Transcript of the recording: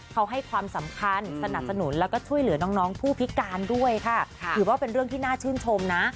เขาให้ความสำคัญสนับสนุนแล้วก็ช่วยเหลือน้องน้องผู้พิการด้วยค่ะถือว่าเป็นเรื่องที่น่าชื่นชมนะ